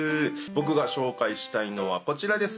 僕が紹介したいのはこちらです。